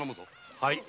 はい。